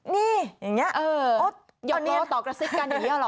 นี่อย่างเงี้ยเออเอาเนียนหยกโลต่อกราซิกกันอย่างเงี้ยเหรอ